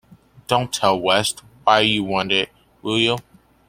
Don't tell West why you want it, will you?